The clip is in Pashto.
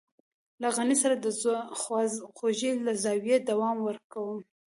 له غني سره د خواخوږۍ له زاويې دوام ورکوم.